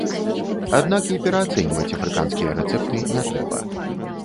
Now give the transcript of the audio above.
Аднак і пераацэньваць афрыканскія рэцэпты не трэба.